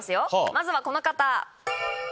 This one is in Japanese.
まずはこの方。